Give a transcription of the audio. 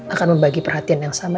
akan membagi perhatian yang sama